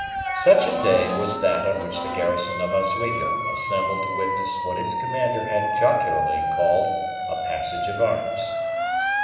Such a day was that on which the garrison of Oswego assembled to witness what its commander had jocularly called a "passage of arms."